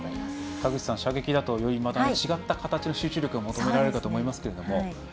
田口さん、射撃だとまた違った形の集中力が求められるかと思いますけれども。